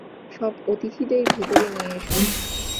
সব অতিথিদের ভেতরে নিয়ে এসো।